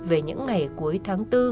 về những ngày cuối tháng bốn